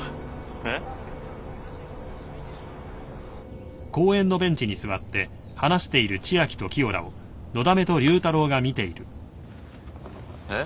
えっ？えっ？